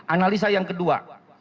analisa yang kedua